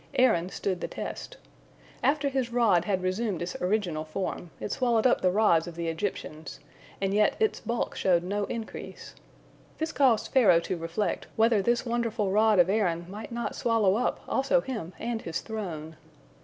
Aaron stood the test. After his rod had resumed its original form, it swallowed up the rods of the Egyptians, and yet its bulk showed no increase. This caused Pharaoh to reflect, whether this wonderful rod of Aaron might not swallow up also him and his throne.